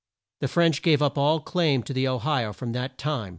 The French gave up all claim to the O hi o from that time.